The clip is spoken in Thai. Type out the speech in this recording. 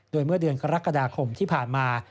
โดยเมื่อเดือนกรกฎาคมที่ผ่านมา